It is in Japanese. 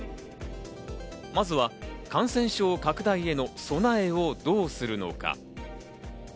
まずは感染症拡大への備えをどうするのか。